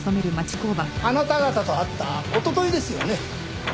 あなた方と会ったおとといですよね？